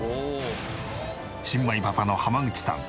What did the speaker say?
新米パパの濱口さん